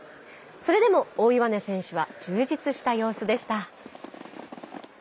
それでも大岩根選手は充実した様子でした。